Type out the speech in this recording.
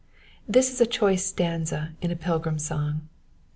This is a choice stanza in a pilgrim song.